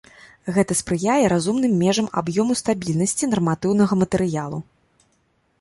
Гэта спрыяе разумным межам аб'ёму і стабільнасці нарматыўнага матэрыялу.